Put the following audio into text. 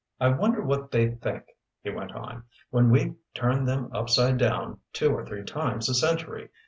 "I wonder what they think," he went on, "when we turn them upside down two or three times a century?